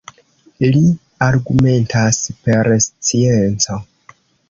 Li argumentas per scienco.